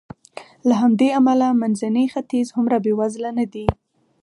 له همدې امله منځنی ختیځ هومره بېوزله نه دی.